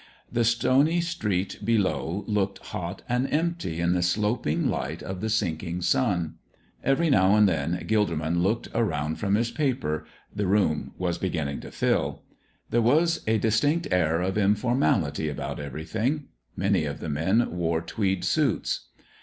The stony street below looked hot and empty in the sloping light of the sinking sun. Every now and then Gilderman looked around from his paper the room was beginning to fill. There was a distinct air of informality about everything. Many of the men wore tweed suits.